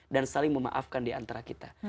dan saling memaafkan diantara kita